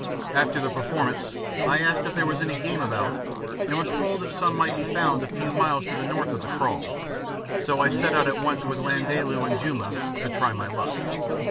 After the performance I asked if there was any game about and was told that some might be found a few miles to the north of the kraal; so I set out at once with Landaalu and Juma to try my luck.